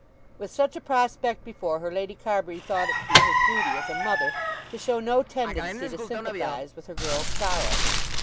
With such a prospect before her, Lady Carbury thought it to be her duty as a mother to show no tendency to sympathise with her girl's sorrow.